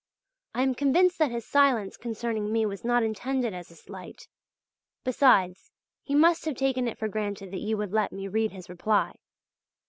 I am convinced that his silence concerning me was not intended as a slight. Besides, he must have taken it for granted that you would let me read his reply.